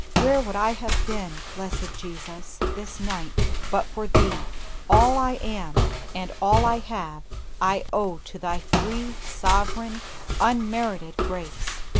Where would I have been, Blessed Jesus! this night, but for Thee! All I am, and all I have, I owe to Thy free, sovereign, unmerited grace.